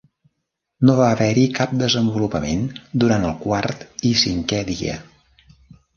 No va haver-hi cap desenvolupament durant el quart i cinquè dia.